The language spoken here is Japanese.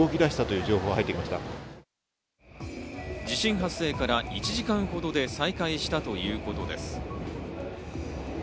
地震発生から１時間ほどで再開したということです。